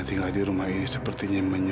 siapa sebenarnya saya